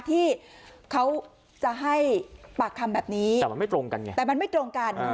ที่เขาจะให้ปากคำแบบนี้แต่มันไม่ตรงกันไงแต่มันไม่ตรงกัน